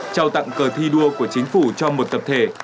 trao tặng cờ thi đua của chính phủ cho một tập thể